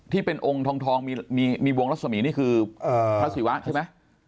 ที่เป็นองค์ทองมีวงรัศมีนี่คือพระศิวะใช่ไหม